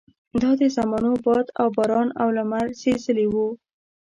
دا د زمانو باد او باران او لمر سېزلي وو.